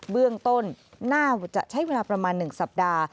เบื้องต้นน่าจะใช้เวลาประมาณ๑สัปดาห์